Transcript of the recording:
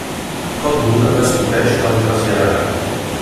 Tot d'una descobreix que el traslladaran.